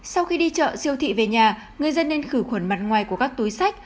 sau khi đi chợ siêu thị về nhà người dân nên khử khuẩn mặt ngoài của các túi sách